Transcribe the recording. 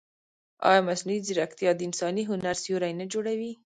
ایا مصنوعي ځیرکتیا د انساني هنر سیوری نه جوړوي؟